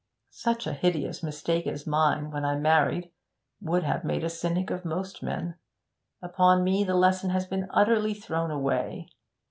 Such a hideous mistake as mine when I married would have made a cynic of most men; upon me the lesson has been utterly thrown away.